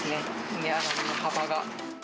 値上がりの幅が。